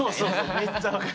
めっちゃ分かる。